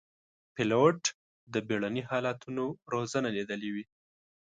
پیلوټ د بېړني حالتونو روزنه لیدلې وي.